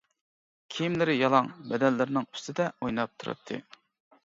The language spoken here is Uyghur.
كىيىملىرى يالاڭ بەدەنلىرىنىڭ ئۈستىدە ئويناپ تۇراتتى.